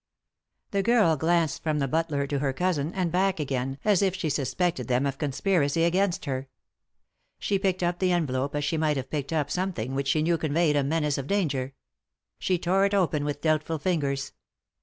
The girl glanced from the butler to her cousin, and back again, as if she suspected them of conspir ing against her. She picked up the envelope as she might have picked up something which she knew conveyed a menace of danger. She tore it open with doubtful fingers.